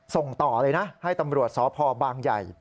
ส่งต่อเลยนะให้ตำรวจสพบางใหญ่